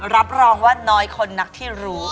รับรองว่าน้อยคนนักที่รู้